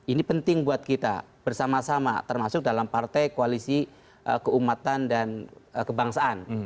ini penting buat kita bersama sama termasuk dalam partai koalisi keumatan dan kebangsaan